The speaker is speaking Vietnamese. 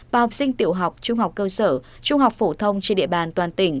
và học sinh tiểu học trung học cơ sở trung học phổ thông trên địa bàn toàn tỉnh